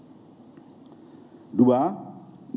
dengan pengaturan pengawasan tetap di border kecuali untuk as tertentu